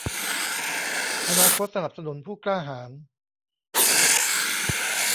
อนาคตสนับสนุนผู้กล้าหาญ